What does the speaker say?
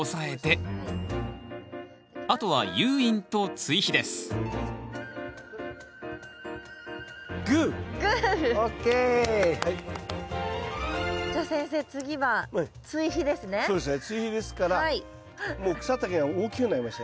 追肥ですからもう草丈が大きくなりましたよね。